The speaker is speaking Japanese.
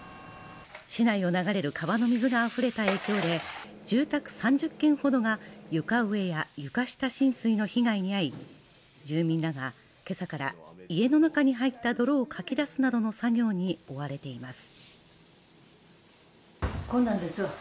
市内を流れる川の水があふれた影響で住宅３０軒ほどが床上や床下浸水の被害に遭い住民らがけさから家の中に入った泥をかき出すなどの作業に追われています